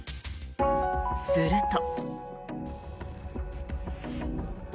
すると。